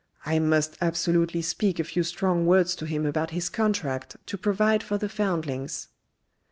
I must absolutely speak a few strong words to him about his contract to provide for the foundlings."